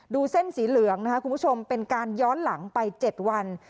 เส้นสีเหลืองนะคะคุณผู้ชมเป็นการย้อนหลังไป๗วัน